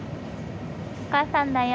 お母さんだよ。